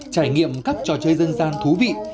trải nghiệm các trò chơi dân gian thú vị